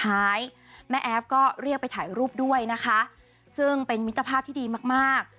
แม่แอฟก็เรียกไปถ่ายรูปด้วยนะคะซึ่งเป็นมิตรภาพที่ดีมากมาก